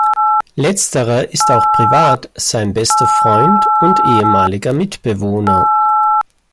Letzterer ist auch privat sein bester Freund und ehemaliger Mitbewohner.